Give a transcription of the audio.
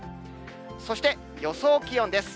そして予想気温です。